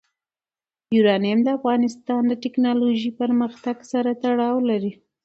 یورانیم د افغانستان د تکنالوژۍ پرمختګ سره تړاو لري.